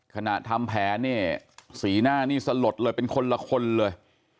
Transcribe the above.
ทำแผนเนี่ยสีหน้านี่สลดเลยเป็นคนละคนเลย